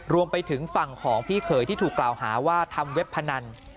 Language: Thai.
รวมไปถึงฝั่งของพี่เขยที่ถูกกล่าวหาว่าทำเว็บพนัน